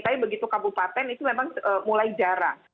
tapi begitu kabupaten itu memang mulai jarang